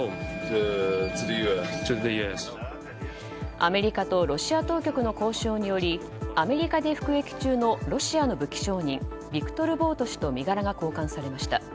アメリカとロシア当局の交渉によりアメリカに服役中のロシアの武器商人ビクトル・ボウト氏と身柄が交換されました。